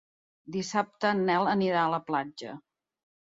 Dissabte en Nel anirà a la platja.